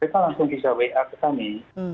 mereka langsung bisa wa ke kami